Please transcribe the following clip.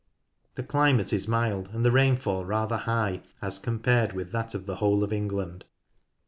The climate is mild and the rainfall rather high as compared with that of the whole of England.